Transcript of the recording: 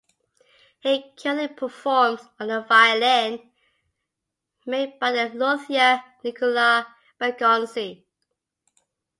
He currently performs on a violin made by the luthier Nicola Bergonzi.